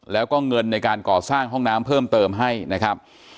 แล้วก็เงินในการก่อสร้างห้องน้ำเพิ่มเติมให้นะครับ